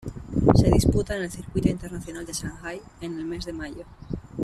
Se disputa en el Circuito Internacional de Shanghai en el mes de mayo.